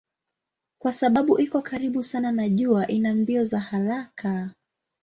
Kwa sababu iko karibu sana na jua ina mbio za haraka.